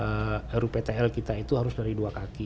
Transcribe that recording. dan yang kedua adalah ruptl kita itu harus dari dua kali